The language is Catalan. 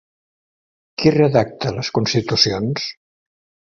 Qui redacta les constitucions?